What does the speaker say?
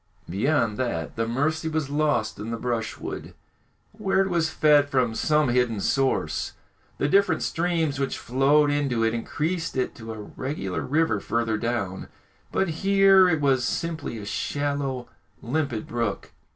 Beyond that, the Mercy was lost in the brushwood, where it was fed from some hidden source. The different streams which flowed into it increased it to a regular river further down, but here it was simply a shallow, limpid brook.